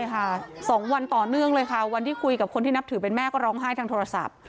ใช่ค่ะ๒วันต่อเนื่องเลยค่ะวันที่คุยกับคนที่นับถือเป็นแม่ก็ร้องไห้ทางโทรศัพท์